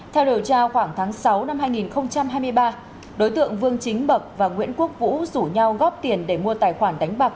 theo điều tra khoảng tháng sáu năm hai nghìn hai mươi ba đối tượng vương chính bậc và nguyễn quốc vũ rủ nhau góp tiền để mua tài khoản đánh bạc